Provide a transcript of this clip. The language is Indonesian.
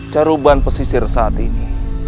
caruban pesisir saat ini